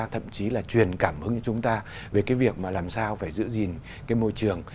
thậm chí là truyền cảm hứng cho chúng ta về cái việc mà làm sao phải giữ gìn cái môi trường